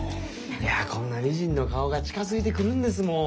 いやこんな美人の顔が近づいてくるんですもん！